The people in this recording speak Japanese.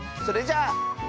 それじゃあ。